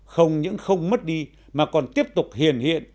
không những không mất đi mà còn tiếp tục hiền hiện